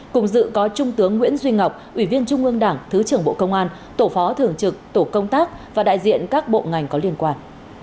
cùng dự có trung tướng nguyễn duy ngọc ủy viên trung ương đảng thứ trưởng bộ công an tổ phó thường trực tổ công tác và đại diện các bộ ngành có liên quan